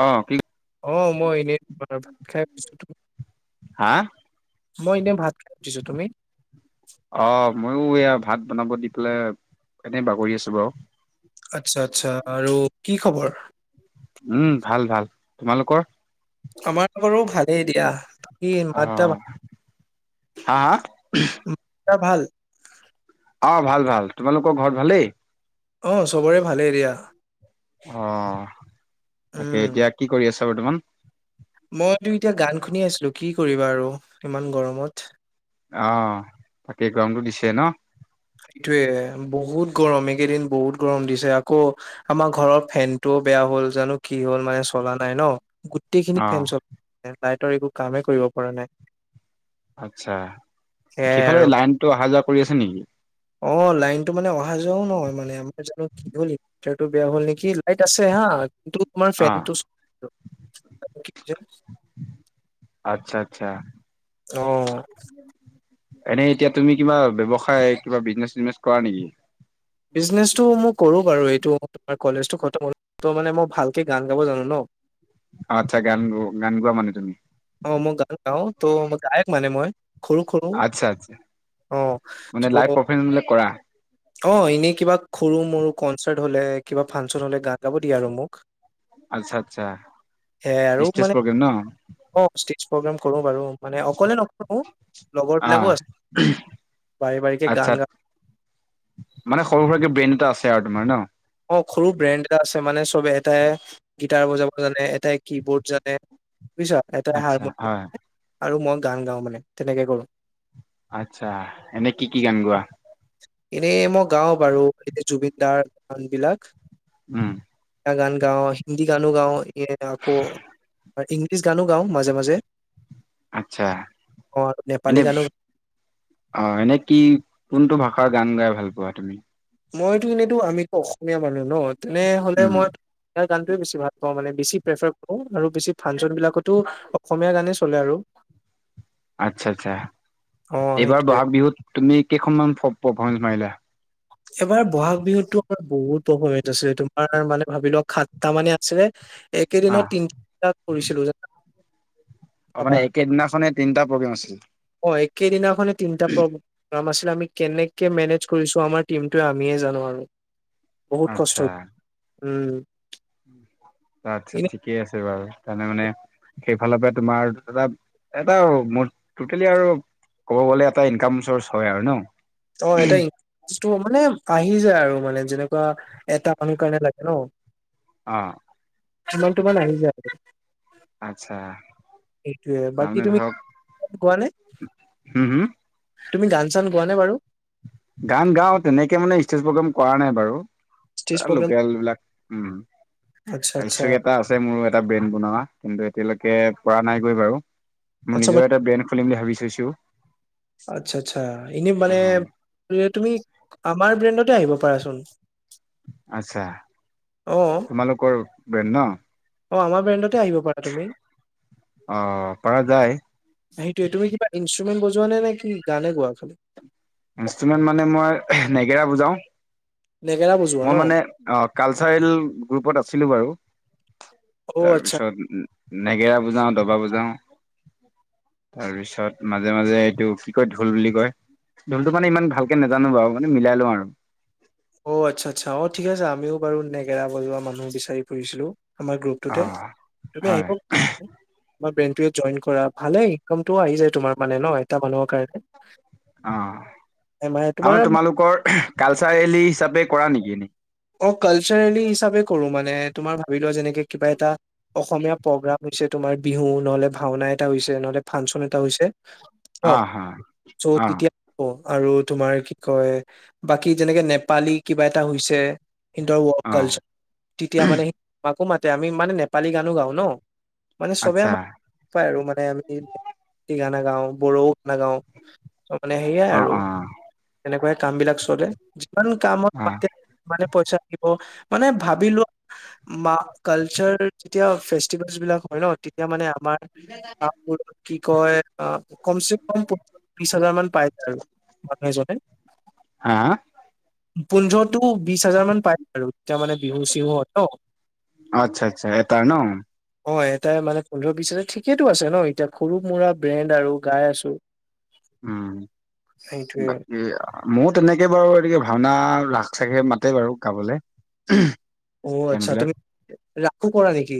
অ কি অ মই এনেই তাৰ ভাত খাইছো। হা [unintelligible] মই এনে ভাত উঠিছো তুমি অ মইও এয়া ভাত বনাব দি পেলাই এনে বাগৰি আছো বাৰু। আচ্ছা আচ্ছা আৰু কি খবৰ। উম ভাল ভাল তোমালোকৰ। আমাৰ বাৰো ভালেই দিয়া। কি অ মাত্ৰা ভা হা হা মত্ৰা ভাল। [unintelligible] অ ভাল ভাল তোমালোকৰ ঘৰত ভালেই। অ চবৰে ভালেই দিয়া। অ তাকে উম। এতিয়া কি কৰি আছা বৰ্তমান। মইতো এতিয়া গান শুনি আছিলো কি কৰিবা আৰু ইমান গৰমত। অ বাকী গমটো দিছে ন। এইটোয়ে বহুত গৰম এইকেইদিন বহুত গৰম দিছে আকৌ আমাৰ ঘৰৰ ফেনটো বেয়া। হল জানো কি হ'ল মানে চলা নাই ন। গোটেইখিনি অ ফেন চল লাইটৰ একো কামেই কৰিব পৰা নাই। আতছা সেয়াই কিফালে আৰু লাইনতটো অহা যোৱা কৰি আছে নেকি। অ লাইনতটো মানে অহা যোৱাও নহয় মানে আমাৰ জানো কি হল। টো বেয়া হ'ল নেকি লাইট আছে হা কিন্তু তোমাৰ ফেনটো। আতছা আতছা। [unintelligible] অ এনেই এতিয়া তুমি কিবা ব্যৱসায় কিবা বিজনেচ চিজনেচ কৰা নেকি। বিজনেছটো মই কৰোঁ বাৰু এইটো। কলেজটো খতমহল ত মানে মই ভালকে গান গাব জানো ন। [unintelligible] আচ্ছা গান গো গান গোৱা মানে তুমি। অ মই গান গাওঁ ত গায়ক মনে মই। খৰু খৰু আচ্ছা আচ্ছা অ চ'। মানে লাইভ পাৰফমেঞ্চ বিলাক কৰা অ এনেই কিবা সৰু মৰু কনচাৰ্ট হলে কিবা ফাংচন হলে গান গাব দিয়া আৰু মোক। আচ্ছা আচ্ছা সে আৰু ষ্টেজ মানে প্ৰগ্ৰেম ন অ ষ্ট্ৰেট প্ৰগেম কৰো বাৰু মানে অকলে নকৰো লগৰ অ বিলাকো আছ। বাৰে বাৰে কে আচ্ছা গান গা মানে সৰু সুৰাকে ব্ৰেইন এটা আছে আৰু তোমাৰ ন। অ সৰু ব্ৰেণ্ড এটা আছে মানে চবে এটাই গিটাৰ বজাব জানে, এটাই কি বৰ্ড জানে, বুজিছা এটাই আচ্ছা হয় হাৰমনিয়াম আৰু মই গান গাওঁ মানে তেনেকে কৰো। আচ্ছা এনে কি কি গান গোৱা? এনে মই গাওঁ বাৰু এনে জুবিন দাৰ গান বিলাক। উম। গান গাওঁ হিন্দী গানো গাওঁ এ আকৌ ইংলিছ গানো গাওঁ মাজে মাজে। আচ্ছা অ আৰু নেপালী এনে গানো অহঁ, এনে কি কোনটো ভা ষা গান গাই ভাল পোৱা তুমি? মইতো এনেইতো আমিতো অসমীয়া মানুহ নহঁ তেনেহলে উম মই অসমীয়া গানটোয়ে বেছি ভাল পাওঁ মানে বেছি প্ৰেফাৰ কৰো আৰু বেছি ফাংচন বিলাকতো অসমীয়া গানেই চলে আৰু আচ্ছা আচ্ছা অ এইবাৰ সেইটোৱে বহাগ বিহুত তুমি কেইখনমান ফ পফমেনচ মাৰিলা এবাৰ ব'হাগ বিহুতোৰ বহুত পাৰফৰ্মেঞ্চ আছিলে তোমাৰ মানে ভাবি লোৱা সাতটা মানে আছিলে। অ একেদিনত তিনিটা কৰিছিলোঁ জানা। ভাবা মানে একেদিনাখনে তিনিটা প্ৰগ্ৰেম আছিলে সেইদিনাখনে তিনিটা প্ৰগ্ৰেম আছিলে আমি কেনেকে মেনেজ কৰিছোঁ আমাৰ টিমটোৱে আমিয়ে জানোঁ আৰু। বহুত কষ্ট আচ্ছা। উম। আচ্ছা এনে ঠিকেই আছে বাৰু। জানে মানে সেইফালৰ পৰা তোমাৰ এটা এটা মোৰ টোতেলি আৰু ক'ব গলে এটা ইনকাম চৰ্চ হয় আৰু নহঁ অ এটা ইন ষ্টু মানে আহি যায় আৰু মানে যেনেকুৱা এটা আমি কাৰণে লাগে নহঁ অহঁ ইমান তোমান আহি যায় আচ্ছা এইটোৱে বাকী তাৰমানে তুমি ধৰক গোৱা নে? হম হম তুমি গান চান গোৱা নে বাৰু? গান গাওঁ তেনেকে মানে ষ্টেজ প্ৰগ্ৰেম কৰা নাই বাৰু ষ্টেজ প্ৰগ্ৰাম লোকেল বিলাক আচ্ছা উম আচ্ছা [unintelligible] এটা আছে মোৰ এটা ব্ৰেনড বনোৱা কিন্তু এতিয়ালৈকে পৰা নাইগৈ বাৰু মই আচ্ছা মানে নিজৰ এটা ব্ৰেণ্ড খুলিম বুলি ভাবি থৈছোঁ। আচ্ছা আচ্ছা এনেই মানে তুমি আমাৰ ব্ৰেণ্ডতে আহিব পাৰাচোঁন। আচ্ছা অ তোমালোকৰ ব্ৰেণ্ড নহঁ অ আমাৰ ব্ৰেণ্ডতে আহিব পাৰা তুমি অ পৰা যায় সেইটোৱে তুমি কিবা ইনষ্ট্ৰুমেণ্ট বজোৱা নে, নে কি গানে গোৱা খালি? ইনষ্ট্ৰুমেণ্ট মানে মই নেগেৰা বজাওঁ। নেগেৰা বজোৱা মই ন মানে কালচাৰেল গ্ৰুপত আছিলোঁ বাৰু। অ তাৰ আচ্ছা পিছত নেগেৰা বজাও, দবা বজাওঁ। তাৰপিছত মাজে মাজে এইটো কি কয় ঢোল বুলি কয় ঢোলটো মানে ইমান ভালকে নাজানো বাৰু মানে মিলাই লওঁ আৰু অ আচ্ছা আচ্ছা অ ঠিক আছে আমিও বাৰু নেগেৰা বজোৱা মানুহ বিচাৰি ফুৰিছিলো। আমাৰ অ গ্ৰুপটোতে তুমি হয় আহিব মই ব্ৰেনডটো জইন কৰা ভালে ইনকামটো আহি যায় তোমাৰ মানে নহ এটা মানুহৰ কাৰণে অ এমাহে আমাৰ তোমাৰ তোমালোকৰ কালচাৰেলি হিচাপে কৰা নেকি অ কালচাৰেলি হিচাপে কৰো মানে তোমাৰ ভাবি লোৱা যেনেকে কিবা এটা অসমীয়া প্ৰগ্ৰাম হৈছে আমাৰ বিহু নহলে ভাওনা এটা হৈছে নহলে ফাংচন এটা হৈছে অ অহঁ হা চউ অ এতিয়া অহঁ আৰু তোমাৰ কি কয় বাকী যেনেকে নেপালী কিবা এটা হৈছে সিন্দৰ ৱৰ্ড অ কালচাৰ তেতিয়া মানে আমাকো মাতে আমি মানে নেপালী গানো গাওঁ নহঁ মানে চবে আচ্ছা আমাক পায় আৰু মানে আমি গানা গাওঁ বড়ো নাগাও তহঁ মানে সেইয়াই অ আৰু অ তেনেকুৱাই কাম বিলাক চলে যিমান কামত অ মাতে সিমানে পইচা দিব মানে ভাবি লোৱা ম কালচাৰ যেতিয়া ফেষ্টিভেল বিলাক হয় ন তেতিয়া মানে আমাৰ। তাৰপ কি কয় আহ কমচে কম প বিশ হাজাৰ মান পাই যায় আৰু। বাতছতে। হা। পোন্ধৰ টো বিশ হাজাৰ মান পাই আৰু তেতিয়া মানে বিহু চিহু হত আচ এটাৰ ন তাই মানে পোন্ধৰ বি আছে ঠিকেইেতো আছে ন এতিয়া সৰু মৰা ব্ৰেণ্ড আৰু গাই আছো। উম সেইটোয়ে বাকী ময় তেনেকে বাৰু এক। ভাওনা ৰাস চাসে মাতে বাৰু গাবলৈ। অ আচ্ছা তুমি, ৰাখো কৰা নেকি?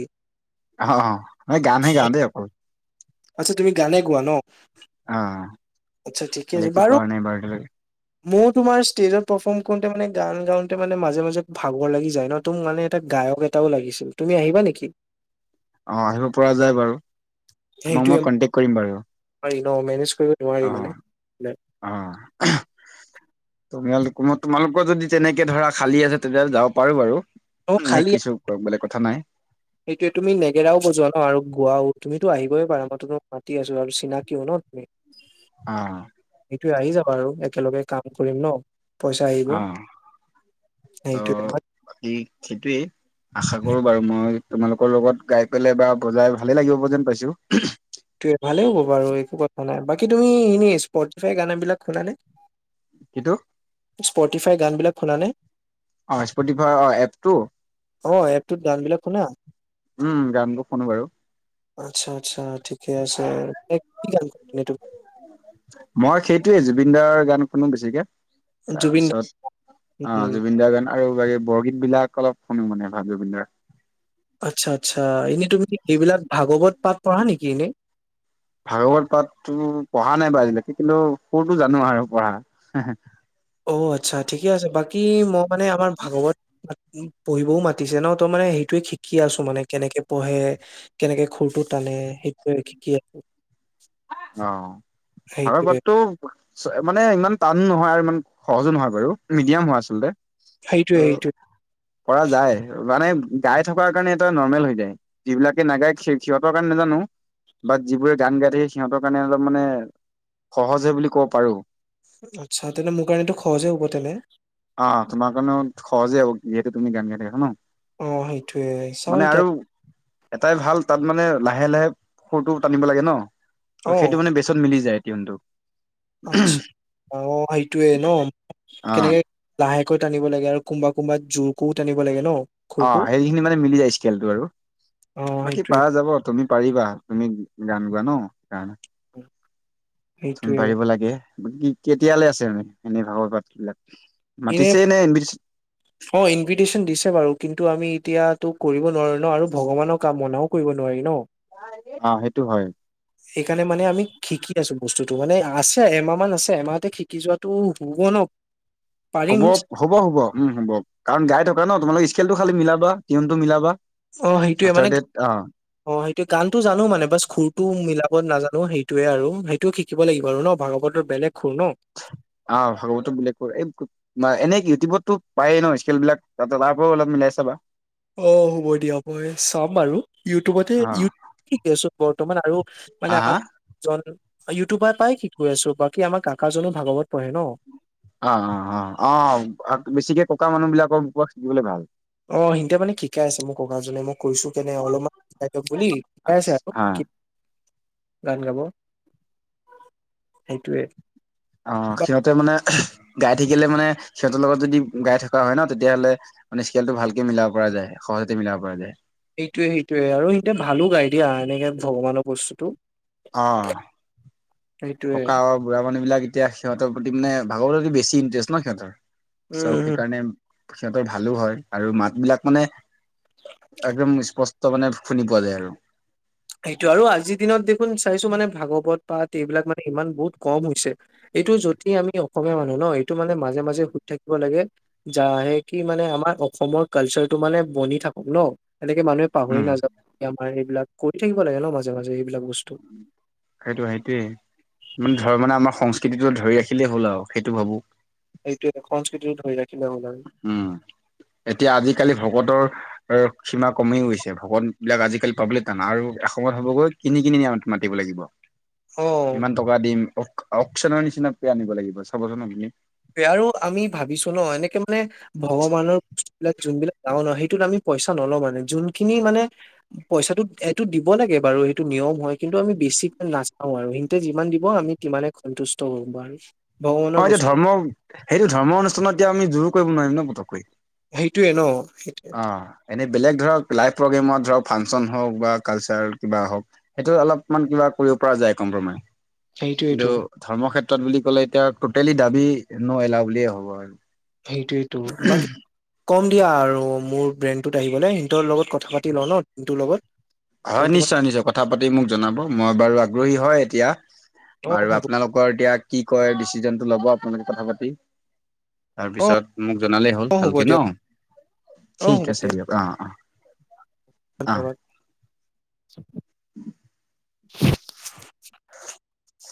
অ অ ন গান ধে গান দে অ। আচ্ছা তুমি গানে গোৱা ন। অ আচ্ছা ঠিকে আছে বেলেগতো বাৰু। কৰা নাই এতিয়ালৈকে মই তোমাৰ ষ্টেজত পাৰফৰ্ম কৰোতে মানে গান গাওঁতে মানে মাজে মাজে ভাগৰ লাগি যায় ন তু মানে এটা। গায়ক এটাও লাগিছিল তুমি আহিবা নেকি? আহ আহিব পৰা যায় বাৰু। তোমাক মই কন্টেক্ট কৰিম বাৰু। মেনে। অহ অহ তুমি। তোমালোকৰ যদি তেনেকে ধৰা খালী আছে তেতিয়াহ'লে যাব পাৰো বাৰু। ত নেকছ খালি পিছৰ পৰা বেলেগ কথা নাই। সেইটোৱে তুমি নেগেৰাও বজোৱা ন আৰু গোৱাও তুমিতো আহিব গইে পাৰা মই তোমাক মাতি আছো আৰু চিনাকিও ন তুমি। অ। স আহি যাবা আৰু একেলগে কাম কৰিম ন, পইচা আহিব। সেইটোৱে তাক সেইটোৱেই আশা কৰো বাৰু মই। তোমালোকৰ লগত গাই পলে বা বজাই ভালে লাগিব যেন পাইছো। ভালেই হ'ব বাৰু একো কথা নাই বাকী তুমি এনে স্পফাই গানাবলাক খোল নে। কিটো স্পটিফাই গানবিলাক শোলানে। অ স্পটিফাই অ এপটো। অ এটোত গান বিলাক শুনা। উম গান গ শুনো বাৰু। আচ্ছা আচ্ছা ঠিক। ঠিক আছে কি গান এইটো। ফোন বেছিকে। দা? তাৰপিছত অ উম জুবিন দাৰ গান আৰু বাকী বৰগীত বিলাক অলপ শুনো মানে। অ জুবিন দাৰ। আচ্ছা আচ্ছা এনে তুমি সেইবিলাক ভাগৱত পাঠ পঢ়া নেকি এনেই। ভাগৱত পাঠতো পঢ়া নাই বা আজিলৈকে কিন্তু সুৰতটো জানো আৰু পঢ়া। অ আচ্ছা ঠিকে আছে বাকী মই মানে আমাৰ ভাগৱত, পঢ়িবও মাতিছে ন ত মানে সেইটো। সেইটোৱে শিকি আছো মানে কেনেকে পঢ়ে কেনেকে খুৰটো [unintelligible] টানে সেইটোৱে শিকি আছো। অ, সেইটোৱে, ভাৰতবৰ্ষতো [unintelligible] মানে ইমান টান নহয় আৰু ইমান। সহজো নহয় বাৰু মিডিয়াম হয় আচলতে, সেইটোৱে ত সেইটোৱে। পৰা যায় মানে। গাই থকাৰ কাৰণে এটা নৰৰ্মেল হৈ যায়, যিবিলাকে নাগায় সিহঁতৰ কাৰণে নাজানো। বাট যিবোৰে গান গাই থে [unintelligible] সিহঁতৰ কাৰণে অলপ মানে, সহজ হয় বুলি ক'ব পাৰো। আচ্ছা তেনে মোৰ কাৰণেতো সহজে হ'ব তেনে। আহ তোমাৰ কাৰণেও সহজেই হ'ব। যিহেতু তুমি গান গাই থাকা ন। [unintelligible] অ সেইটোৱে চাও মানে এতিয়া। আৰু [unintelligible] এটাই ভাল তাত মানে লাহে লাহে, সুৰটো টানিব লাগে ন, ত সেইটো অ', মানে বেচত মিলি যায়। টো। [unintelligible] আচ্ছা অ সেইটোয়ে ন, অ কেনেকে লাহে। কৈ টানিব লাগে আৰু কোনোবা কোনোবা জোৰকো টানিব লাগে ন। অ খুৰটো? সেইখিনি মানে মিলি যায় স্কেলটো আৰু অ', বাকী সেইটোৱে পাৰা যাব, তুমি পাৰিবা। তুমি গান গোৱা ন সেইকাৰণে। চম [unintelligible] সেইটোৱে। পাৰিব লাগে। কেতিয়ালৈ আছে মানে এনে ভাগৰ পাত বিলাক? [unintelligible] এনে মাতিছে নে ইনভিটেচন অ ইনভিটেশচন দিছে বাৰু। কিন্তু আমি এতিয়াতো কৰিব নোৱাৰো ন আৰু ভগৱানৰ কামনাও কৰিব নোৱাৰি ন। অ সেইটো হয় সেইকাৰণে মানে আমি শিকি আছো। বস্তুটো মানে আছে এমাহ মান আছে, এমাহতে শিকি যোৱাটো হ'ব ন? পাৰিম হ'ব হ'ব হ'ব উম হ'ব। কাৰণ গাই থকা ন, তোমালোক স্কেলটো খালি মিলাবা টনটো মিলাবা। [unintelligible] অ সেইটোয়ে আফটাৰ মানে ডেট অ অ সেইটোয়ে গানটো জানো মানে বাচ সুৰটো মিলাব নাজানো। সেইটোয়ে আৰু সেইটো শিকিব লাগিব আৰু ন, ভাগৱতৰ বেলেগ সুৰ ন আহ ভাগৱত বেলেগ কৰে। এই এনে ইউটিউবত টো পায়ে ন স্কেলবিলাক, ত তাৰ পৰাও অলপ মিলাই চাবা। [unintelligible] অ হ'ব দিয়া মই চাম আৰু। ইউটিউবতে অ ইবিকোন বৰ্তমান আৰু [unintelligible] হা হা? জন ইউটিউবাৰ পাই শিকো আছো। বাকী আমাৰ কাকাজনো ভাগৱত পঢ়ে ন। [unintelligible] অ অ অ অ বেছিকে ককা মানুহ বিলাকৰ উপৰত [unintelligible] শিকিবলৈ ভাল অ সিতে মানে শিকাই আছে, মোক ককাজনে মোক কৈছো কেনে অলপমান শিকাই দিয়ক বুলি। শিকাই আছে আৰু [unintelligible] [inaudible] গান গাব সেইটোৱে। অ সিহঁতে মানে, গাই থাকিলে মানে সিহঁতৰ লগত যদি গাই থকা হয় ন, তেতিয়াহ'লে মানে স্কেলটো ভালকে মিলাব পৰা যায়। সহজতে মিলাব পৰা যায়। সেইটোৱে সেইটোৱে। আৰু সিহঁতে ভালো গাই দিয়া এনেকে ভগৱানৰ বস্তুটো। অ সেইটোয়ে ককা আৰু বুঢ়া মানুহ বিলাক, এতিয়া সিহঁতৰ প্ৰতি মানে ভাগৱতৰ প্ৰতি বেছি ইণ্টাৰেষ্ট ন সিহঁতৰ, চ উম হম সেইকাৰণে [unintelligible] সিহঁতৰ ভালো হয় আৰু মাত বিলাক মানে, একদম স্পষ্ট মানে শুনি পোৱা যায় আৰু। সেইটো আৰু আজিৰ দিনত দেখোন চাইছো মানে ভাগৱ- পাত এইবিলাক মানে ইমান বহুত কম হৈছে। এইটো যদি আমি অসমীয়া মানুহ ন এইটো মানে মাজে মাজে সুধি থাকিব লাগে। যাহে কি মানে আমাৰ অসমৰ কালচাৰটো মানে বনি থাকক ন। এনেকে মানুহে পাহৰি উম নাযাওক, আমাৰ এইবিলাক কৰি থাকিব লাগে ন মাজে মাজে এইবিলাক বস্তু। সেইটো সেইটোৱে মানে ধৰ্ম নামত সং- [unintelligible] জ ধৰি ৰাখিলেই হ'ল আৰু সেইটো ভাবো। এইেটোয়ে সংস্কৃতিত ধৰি ৰাখে। উম এতিয়া আজিকালি ভকতৰ, আৰু সীমা কমি গৈছে। ভকত বিলাক আজিকালি পাবলৈ টান আৰু এসময়ত হবগৈ কিনি কিনি মাতিব লাগে। অ', ইমান টকা দিম, অ অকচৰ নিচিনাক আনিব লাগিব চাবচোন আপুনি। আৰু আমি ভাবিছো ন এনেকে মানে ভগৱানৰ বস্তু বিলাক যোনবিলাক, ন ন সেইটোত আমি পইচা নল মানে, যোনখিনি মানে পইচাটো এইটো দিব লাগে বাৰু সেইটো। নিয়ম হয়। কিন্তু আমি বেছিকৈ নাচাওঁ আৰু সিহতে যিমান দিব আমি মানে সন্তুষ্ট হ আৰু। ভগৱানৰ অ এতিয়া বস্তু ধৰ্ম সেইটো ধৰ্ম অনুষ্ঠানত এতিয়া আমি জোৰ কৰিব নোৱাৰিম ন পতককৈ। সেইটোয়ে ন অ এনেই বেলেগ ধৰক লাইভ প্ৰগ্ৰেমত ধৰক, ফাংচন হওক বা কালচাৰ কিবা হওক, সেইটো অলপমান কিবা কৰিব পৰা যায় কম্প্ৰমাইজ। কিন্তু সেইটোয়েটো ধৰ্ম ক্ষেত্ৰত বুলি ক'লে এতিয়া টটেলি দাবী ন এলা বুলিয়ে হ'ব আৰু। সেইটো সেইটো বাকী, কম দিয়া আৰু মোৰ ব্ৰেণ্ডটোত আহিবলৈ সিহঁতৰ লগত কথা পাতি লওঁ ন সিহটোৰ লগত? ত হয় তোমাক নিশ্চয় নিশ্চয়। কথা পাতি মোক জনাব মই বাৰু আগ্ৰহী হয় এতিয়া। অ', বাৰু হ'ব আপোনালোকৰ এতিয়া, কি কয় ডিচিজনটো ল'ব, আপোনালোকে কথা পাতি অ', তাৰপিছত মোক জনালেই হ'ল, অ', হ'ব ভালকে ন, দিয়ক ঠিক আছে দিয়ক অ, অ। ধবাদ [unintelligible] উম। [unintelligible]